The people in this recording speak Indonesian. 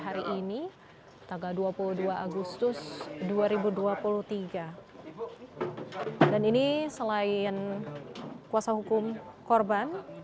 korban mengunci kamar kosnya